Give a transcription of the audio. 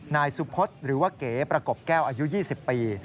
นายสุพธหรือว่าเก๋ประกบแก้วอายุ๒๐ปี